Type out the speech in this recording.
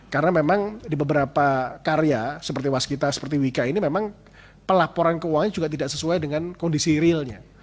karena memang di beberapa karya seperti waskita seperti wika ini memang pelaporan keuangan juga tidak sesuai dengan kondisi realnya